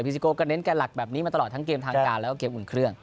ซิโก้ก็เน้นแก่หลักแบบนี้มาตลอดทั้งเกมทางการแล้วก็เกมอุ่นเครื่อง